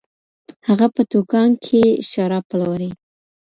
هغه په دکان کي شراب پلوري.